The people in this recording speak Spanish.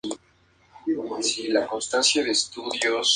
Se distribuye por Mozambique, Sudáfrica y Suazilandia.